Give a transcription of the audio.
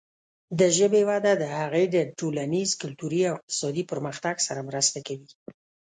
د ژبې وده د هغې د ټولنیز، کلتوري او اقتصادي پرمختګ سره مرسته کوي.